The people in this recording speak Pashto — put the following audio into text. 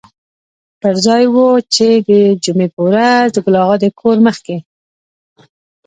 پر ځای و چې د جمعې په ورځ د ګل اغا د کور مخکې.